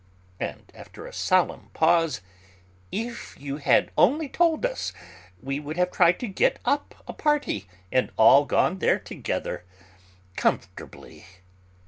And after a solemn pause: "If you had only told us, we would have tried to get up a party, and all gone there together, comfortably."